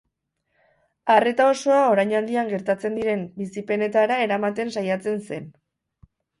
Arreta osoa orainaldian gertatzen diren bizipenetara eramaten saiatzen zen.